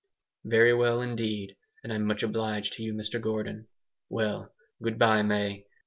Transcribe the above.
"Very well, indeed, and I'm much obliged to you, Mr Gordon." "Well, good bye May!